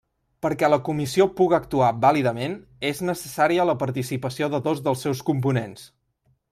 Perquè la comissió puga actuar vàlidament és necessària la participació de dos dels seus components.